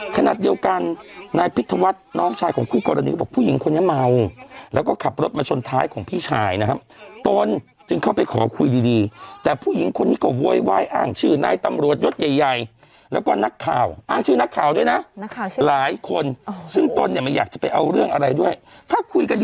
เขาไม่มีเงินเขาไม่มีแต่นี่แต่จะมีคนลงทุนให้เขา